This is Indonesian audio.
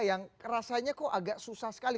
yang rasanya kok agak susah sekali